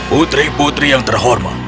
putri putri yang terhormat